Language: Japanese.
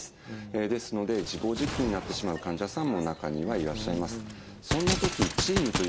ですので自暴自棄になってしまう患者さんも中にはいらっしゃいます。